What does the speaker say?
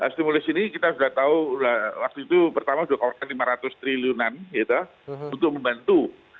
stimulus ini kita sudah tahu waktu itu pertama sudah keluarkan lima ratus triliunan untuk membantu